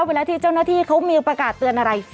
เวลาที่เจ้าหน้าที่เขามีประกาศเตือนอะไร